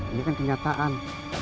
ini kan kenyataan